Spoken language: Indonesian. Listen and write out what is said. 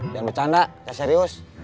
jangan bercanda saya serius